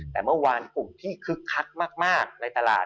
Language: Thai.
แต่เมื่อวานกลุ่มที่คึกคักมากในตลาด